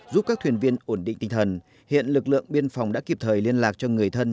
giúp các thuyền viên ổn định tinh thần